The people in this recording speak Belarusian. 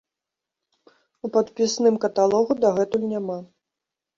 У падпісным каталогу дагэтуль няма.